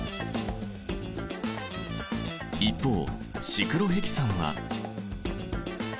一方シクロヘキサンは。